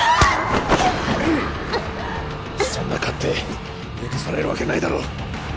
そんな勝手許されるわけないだろ